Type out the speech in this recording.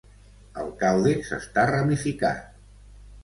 El càudex està ramificat.